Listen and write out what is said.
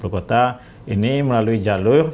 lima puluh kota ini melalui jalur